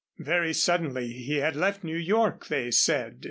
Very suddenly he had left New York, they said.